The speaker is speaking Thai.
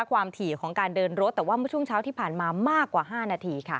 ถี่ของการเดินรถแต่ว่าเมื่อช่วงเช้าที่ผ่านมามากกว่า๕นาทีค่ะ